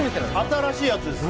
新しいやつです